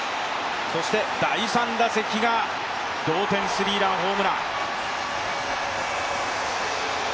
そして第３打席が同点スリーランホームラン。